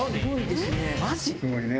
マジ？